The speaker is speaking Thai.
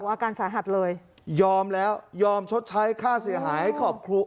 อาการสาหัสเลยยอมแล้วยอมชดใช้ค่าเสียหายให้ขอบคุณ